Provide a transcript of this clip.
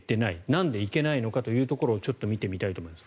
なんで行けないのかというところをちょっと見てみたいと思います。